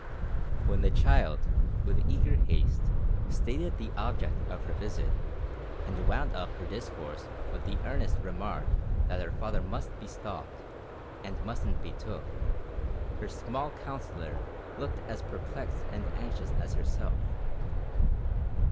When the child, with eager haste, stated the object of her visit, and wound up her discourse with the earnest remark that her father must be stopped, and mustn't be took, her small counsellor looked as perplexed and anxious as herself.